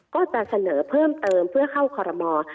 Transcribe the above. ก็จะเสนอเพิ่มเติมเพื่อเข้าคอรมอ